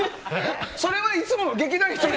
それはいつもの劇団ひとり。